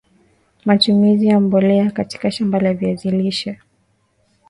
matumizi ya mbolea katika shamba la viazi lishe